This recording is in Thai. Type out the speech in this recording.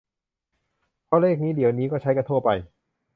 เพราะเลขนี้เดี๋ยวนี้ก็ใช้กันทั่วไป